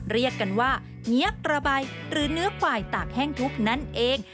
เรียกกันว่าเงี๊ยบกระใบหรือเนื้อควายตากแห้งทุบนั่นเอง